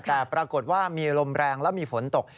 แต่ปรากฏว่ามีลมแรงและมีฝนตก